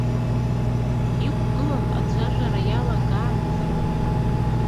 Иқәгылан ацәажәара иалагаанӡа.